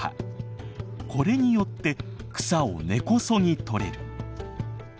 これによって草を根こそぎ取れる。